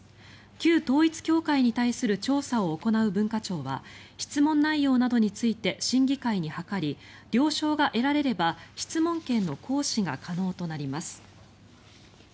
旧統一教会に対する調査を行う文化庁は質問内容などについて審議会に諮り了承が得られれば質問権の行使が可能となります。